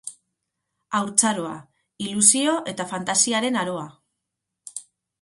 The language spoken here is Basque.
Haurtzaroa, ilusio eta fantasiaren aroa.